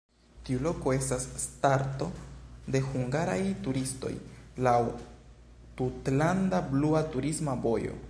Tiu loko estas starto de hungaraj turistoj laŭ "tutlanda blua turisma vojo".